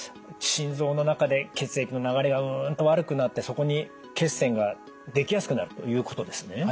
心臓の中で血液の流れがうんと悪くなってそこに血栓ができやすくなるということですね。